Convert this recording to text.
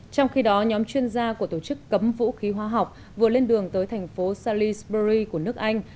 trong khi đó nhóm chuyên gia của tổ chức cấm vũ khí hóa học vừa lên đường tới thành phố salisbury của nước anh